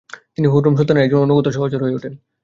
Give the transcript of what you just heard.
তিনি হুররেম সুলতানের একজন অনুগত সহচর হয়ে ওঠেন।